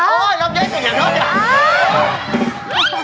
ขมือนโอ๊ยเกินอยู่อีกยังไง